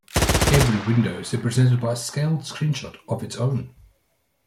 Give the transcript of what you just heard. Every window is represented by a scaled screenshot of its own.